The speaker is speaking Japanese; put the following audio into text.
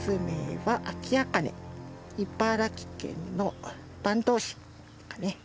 茨城県の坂東市。